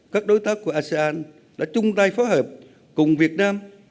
các đối tác của asean đã chung tay phó hợp cùng việt nam